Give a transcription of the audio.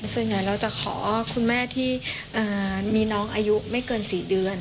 ส่วนใหญ่เราจะขอคุณแม่ที่มีน้องอายุไม่เกิน๔เดือน